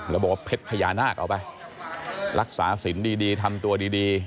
แล้วบอกว่าเพชรพญานาคเอาไปรักษาสินดีทำตัวดี